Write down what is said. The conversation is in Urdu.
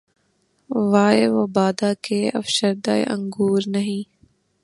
وائے! وہ بادہ کہ‘ افشردۂ انگور نہیں